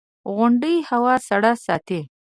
• غونډۍ هوا سړه ساتي.